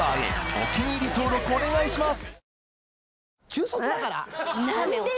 お気に入り登録お願いします！